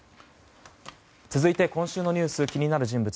続いて、今週のニュース気になる人物